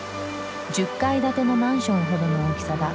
１０階建てのマンションほどの大きさだ。